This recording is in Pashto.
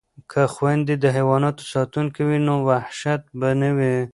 که خویندې د حیواناتو ساتونکې وي نو وحشت به نه وي.